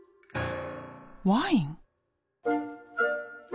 ワイン？